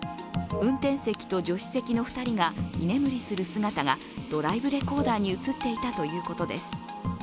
運転席と助手席の２人が居眠りする姿がドライブレコーダーに映っていたということです。